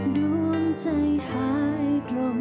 ดวงใจหายตรง